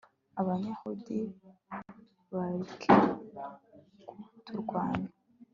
abayahudi bareke kuturwanya